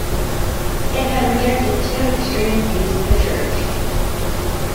It had rejected two extreme views of the Church.